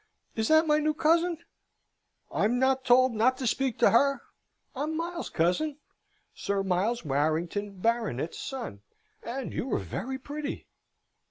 Is that my new cousin? I'm not told not to speak to her. I'm Miles, cousin, Sir Miles Warrington Baronet's son, and you are very pretty!"